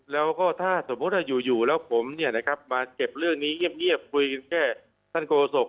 แล้วก็ถ้าสมมุติอยู่แล้วผมเนี่ยนะครับมาเก็บเรื่องนี้เยี่ยมคุยกันแค่ท่านโกสก